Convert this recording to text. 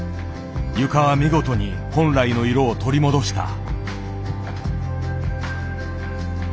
床は見事に本来の色を取り戻した。